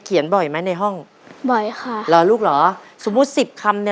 บ่อยไหมในห้องบ่อยค่ะเหรอลูกเหรอสมมุติสิบคำเนี้ย